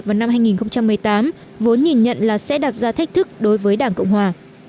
cuộc bầu cử quốc hội vào năm hai nghìn một mươi tám vốn nhìn nhận là sẽ đặt ra thách thức đối với đảng cộng hòa